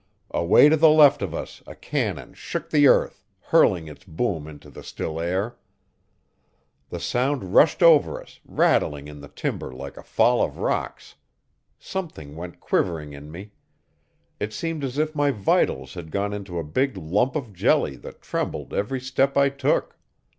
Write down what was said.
Away to the left of us a cannon shook the earth, hurling its boom into the still air. The sound rushed over us, rattling in the timber like a fall of rocks. Something went quivering in me. It seemed as if my vitals had gone into a big lump of jelly that trembled every step I took.